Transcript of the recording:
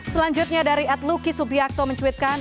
selanjutnya dari adluki subiakto mencuitkan